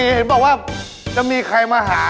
เห็นบอกว่าจะมีใครมาหา